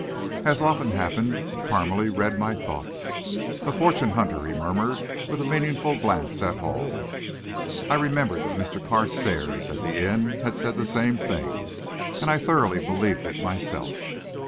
As often happened, Parmalee read my thoughts. "A fortune hunter," he murmured, with a meaning glance at Hall. I remembered that Mr. Carstairs, at the inn had said the same thing, and I thoroughly believed it myself.